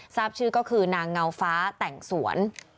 ทราบชื่อก็คือนางเงาฟ้าแต่งสวน